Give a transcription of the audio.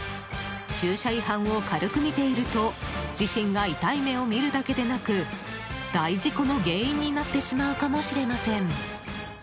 駐車違反を軽く見ていると自身が痛い目を見るだけでなく大事故の原因になってしまうかもしれません。